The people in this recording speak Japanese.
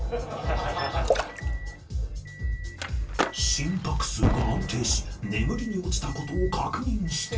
［心拍数が安定し眠りに落ちたことを確認して］